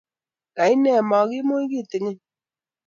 Kaine magimuy kitingin?